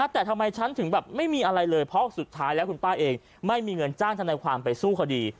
แต่ทำไมฉันถึงแบบไม่มีอะไรเลยเพราะสุดท้ายแล้วคุณป้าเองไม่มีเงินจ้างทนายความไปสู้คดี